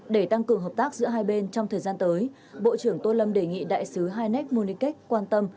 để tăng cường hợp tác giữa hai bên trong thời gian tới bộ trưởng tô lâm đề nghị đại sứ heineck kamoniket quan tâm